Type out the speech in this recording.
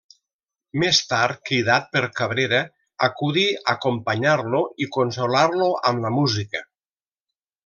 Més tard cridat per Cabrera, acudí acompanyar-lo i consolar-lo amb la música.